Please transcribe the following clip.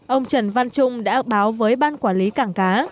ông trần văn trung đã báo với ban quản lý cảng cá